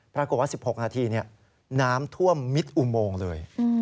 ปรากฏว่า๑๖นาทีน้ำท่วมมิดอุโมงเลย